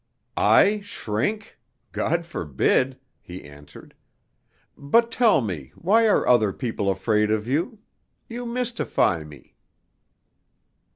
"I shrink! God forbid," he answered, "but tell me why are other people afraid of you? You mystify me."